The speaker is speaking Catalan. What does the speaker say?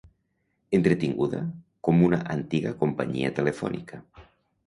Entretinguda com una antiga companyia telefònica.